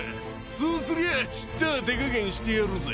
そうすりゃあちったぁ手加減してやるぜ。